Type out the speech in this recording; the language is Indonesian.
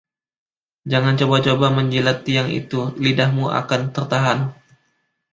Jangan coba-coba menjilat tiang itu, lidahmu akan tertahan!